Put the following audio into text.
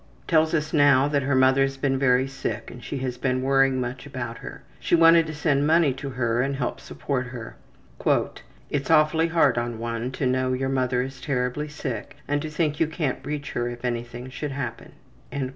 Tells us now that her mother has been very sick and she has been worrying much about her. She wanted to send money to her and help support her. `It's awfully hard on one to know your mother is terribly sick and to think you can't reach her if anything should happen.''